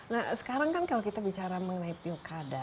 nah sekarang kan kalau kita bicara mengenai pilkada